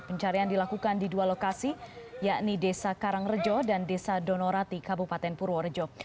pencarian dilakukan di dua lokasi yakni desa karangrejo dan desa donorati kabupaten purworejo